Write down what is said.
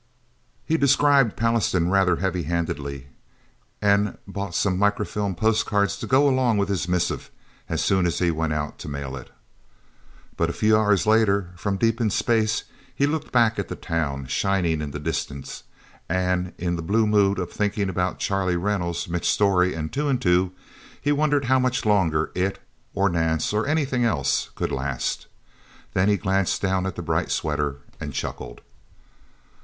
He described Pallastown rather heavy handedly, and bought some microfilm postcards to go along with his missive, as soon as he went out to mail it. But a few hours later, from deep in space, he looked back at the Town, shining in the distance, and in the blue mood of thinking about Charlie Reynolds, Mitch Storey, and Two and Two, he wondered how much longer it, or Nance, or anything else, could last. Then he glanced down at the bright sweater, and chuckled...